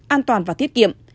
an toàn và tiết kiệm